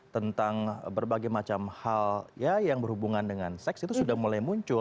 tentang berbagai macam hal yang berhubungan dengan seks itu sudah mulai muncul